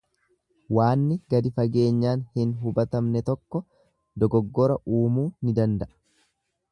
Waanni gadi fageenyaan hin hubatamne tokko dogoggora uumuu ni danda'a.